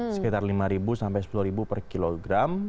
sekitar lima sampai sepuluh per kilogram